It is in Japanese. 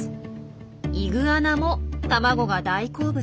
イグアナも卵が大好物。